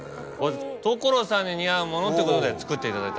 所さんに似合うものということで作っていただいたんで。